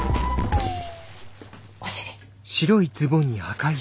お尻。